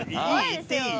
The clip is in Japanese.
行っていい？